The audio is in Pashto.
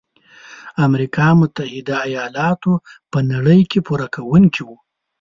امریکا متحد ایلاتو په نړۍ کې پوره کوونکي وو.